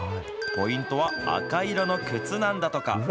ポイントは赤色の靴なんだとか。